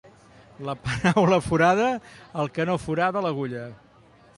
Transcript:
La paraula forada el que no forada l'agulla.